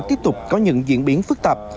tiếp tục có những diễn biến phức tạp